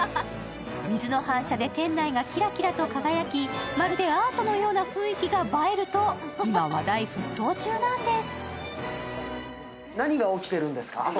水の反射で店内がきらきらと輝きまるでアートのような雰囲気が映えると、今、話題沸騰中なんです。